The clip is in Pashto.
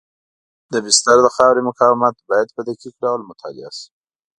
د بستر د خاورې مقاومت باید په دقیق ډول مطالعه شي